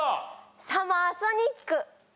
サマーソニック。